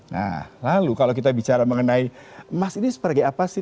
nah lalu kalau kita bicara mengenai emas ini seperti apa sih